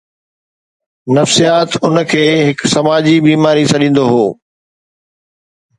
نفسيات ان کي هڪ سماجي بيماري سڏيندو هو.